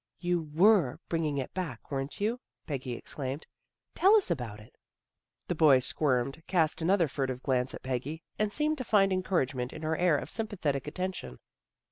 " You were bringing it back, weren't you? " Peggy exclaimed. " Tell us about it." The boy squirmed, cast another furtive glance at Peggy, and seemed to find encouragement in her air of sympathetic attention.